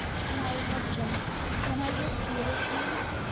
"My husband, can I have fear of you?